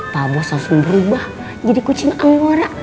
pak bos langsung berubah jadi kucing amewora